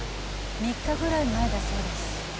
３日ぐらい前だそうです。